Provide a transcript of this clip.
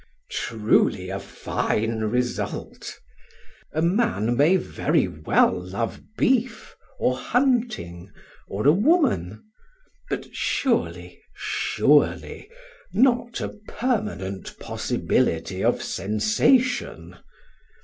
Truly a fine result! A man may very well love beef, or hunting, or a woman; but surely, surely, not a Permanent Possibility of Sensation.